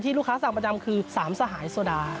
ลูกค้าสั่งประจำคือ๓สหายโซดา